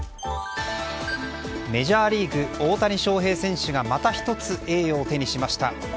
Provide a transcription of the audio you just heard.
メジャーリーグ大谷翔平選手がまた１つ栄誉を手にしました。